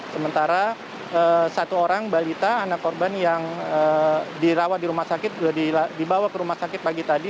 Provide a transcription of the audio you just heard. sementara satu orang balita anak korban yang dirawat di rumah sakit sudah dibawa ke rumah sakit pagi tadi